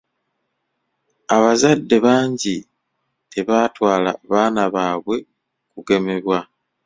Abazadde bangi tebaatwala baana baabwe kugemebwa.